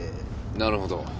なるほど。